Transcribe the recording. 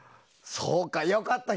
そうか、良かった。